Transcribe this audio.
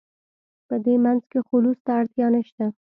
په دې منځ کې خلوص ته اړتیا نشته.